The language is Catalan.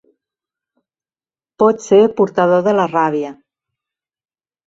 Pot ser portador de la ràbia.